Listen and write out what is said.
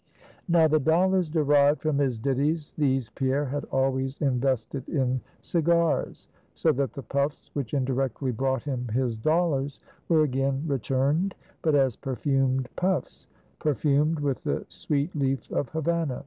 Now, the dollars derived from his ditties, these Pierre had always invested in cigars; so that the puffs which indirectly brought him his dollars were again returned, but as perfumed puffs; perfumed with the sweet leaf of Havanna.